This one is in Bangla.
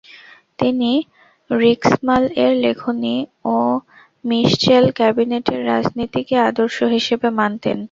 তিনি রিক্সমাল এর লেখনী ও মিসচেল ক্যাবিনেটের রাজনীতিকে আদর্শ হিসেবে মানতেন।